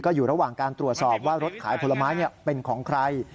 อยู่ระหว่างการตรวจสอบว่ารถขายผลไม้เป็นของใคร